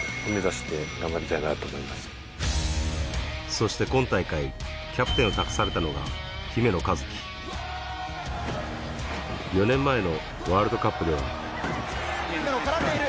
そして今大会キャプテンを託されたのが４年前のワールドカップでは姫野絡んでいる！